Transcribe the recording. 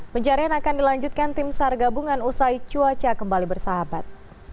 pencarian akan dilanjutkan tim sar gabungan usai cuaca kembali bersahabat